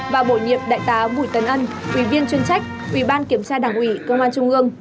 và bổ nhiệm đại tá bùi tấn ân ủy viên chuyên trách ủy ban kiểm tra đảng ủy công an trung ương